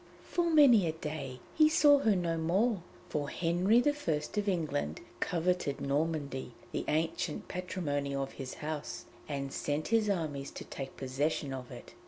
For many a day he saw her no more, for Henry I of England coveted Normandy, the ancient patrimony of his house, and sent his armies to take possession of it.